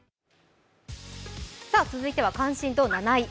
続いては関心度７位。